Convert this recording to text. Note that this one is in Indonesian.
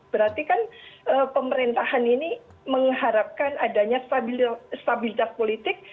berarti kan pemerintahan ini mengharapkan adanya stabilitas politik